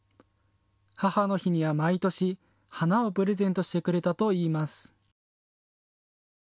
母の日には毎年花をプレゼントしてくれたといいます。